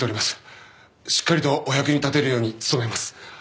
しっかりとお役に立てるように努めます。